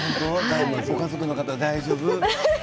ご家族の方、大丈夫です。